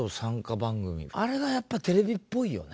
あれがやっぱテレビっぽいよね。